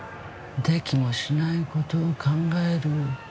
できもしない事を考える。